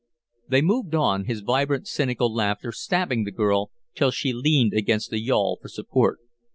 '" They moved on, his vibrant, cynical laughter stabbing the girl till she leaned against the yawl for support.